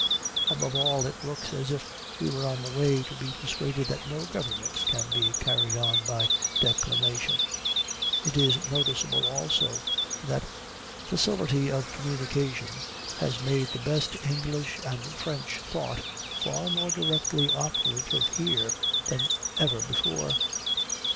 Above all, it looks as if we were on the way to be persuaded that no government can be carried on by declamation. It is noticeable also that facility of communication has made the best English and French thought far more directly operative here than ever before.